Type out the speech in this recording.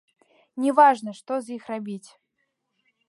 Не важна, што з іх рабіць.